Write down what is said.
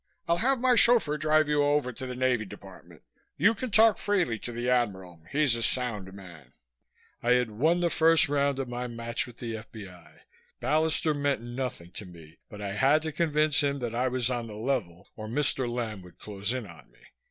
I'll have my chauffeur drive you over to the Navy Department. You can talk freely to the Admiral. He's a sound man." I smiled wanly. I had won the first round of my match with the F.B.I. Ballister meant nothing to me but I had to convince him that I was on the level or Mr. Lamb would close in on me.